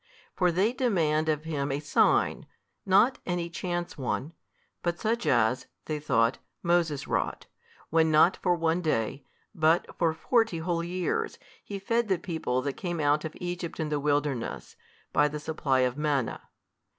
For they demand of Him a sign, not any chance one, but such as (they thought) Moses wrought, when not for one day, but for forty whole years, he fed the people that came out of Egypt in the wilderness, by the supply of manna.